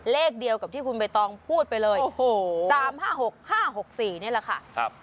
เลขเดียวกับที่คุณเบตองพูดไปเลยโอ้โหสามห้าหกห้าหกสี่นี่แหละค่ะครับ